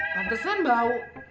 tentu kan bau